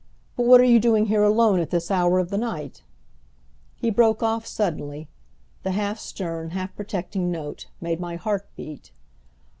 But what are you doing here alone at this hour of the night?" He broke off suddenly. The half stern, half protecting note made my heart beat.